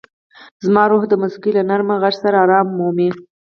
زما روح د موسیقۍ له نرم غږ سره ارام مومي.